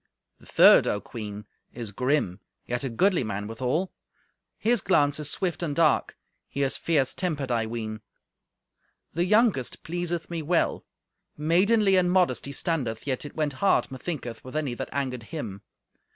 The third, O Queen, is grim, yet a goodly man withal. His glance is swift and dark; he is fierce tempered, I ween. The youngest pleaseth me well. Maidenly and modest he standeth, yet it went hard, methinketh, with any that angered him.